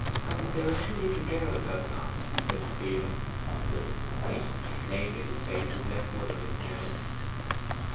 'And there are two little girls, are there not?' said Stephen. 'Nice clane little faces! left motherless now.